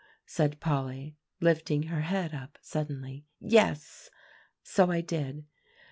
said Polly, lifting her head up suddenly. "Yes, so I did.